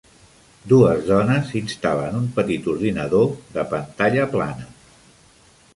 Dues dones instal·len un petit ordinador de pantalla plana